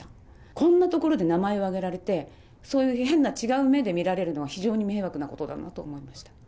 こんなところで名前をあげられて、そういう変な違う目で見られるのは非常に迷惑なことだなと思いました。